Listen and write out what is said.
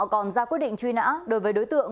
còn ra quyết định truy nã đối với đối tượng